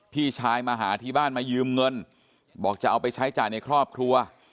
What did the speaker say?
พี่ชายมาหาที่บ้านมายืมเงินบอกจะเอาไปใช้จ่ายในครอบครัว